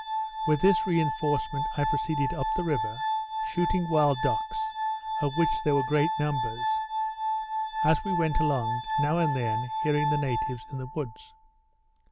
With this reinforcement I proceeded up the river, shooting wild ducks, of which there were great numbers; as we went along, now and then hearing the natives in the woods.